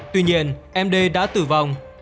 tuy nhiên em đê đã tử vong